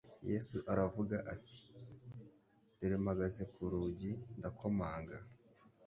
Yesu aravuga ati : "dore mpagaze ku rugi ndakomanga,